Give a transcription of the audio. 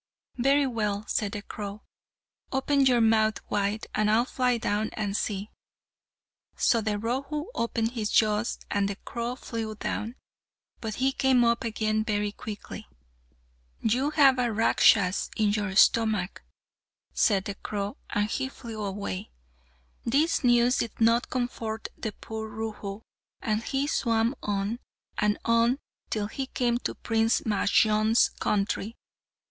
"Very well," said the crow, "open your mouth wide, and I'll fly down and see." So the Rohu opened his jaws and the crow flew down, but he came up again very quickly. "You have a Rakshas in your stomach," said the crow, and he flew away. This news did not comfort the poor Rohu, and he swam on and on till he came to Prince Majnun's country.